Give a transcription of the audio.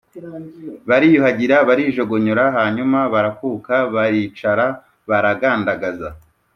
bariyuhagira barijogonyora, hanyuma barakuka baricara baragandagaza.